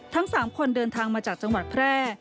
ทั้ง๓คนเดินทางมาจากจังหวัดแพร่